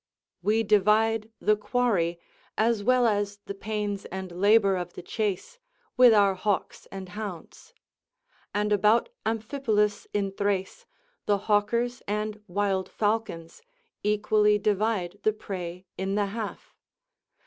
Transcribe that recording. We divide the quarry, as well as the pains and labour of the chase, with our hawks and hounds. And about Amphipolis, in Thrace, the hawkers and wild falcons equally divide the prey in the half.